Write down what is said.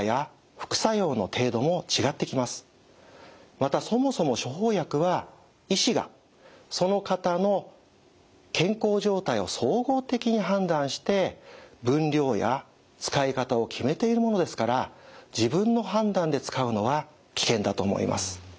またそもそも処方薬は医師がその方の健康状態を総合的に判断して分量や使い方を決めているものですから自分の判断で使うのは危険だと思います。